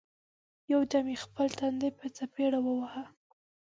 یو دم یې خپل تندی په څپېړه وواهه!